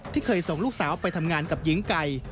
เคยส่งลูกสาวไปทำงานกับหญิงไก่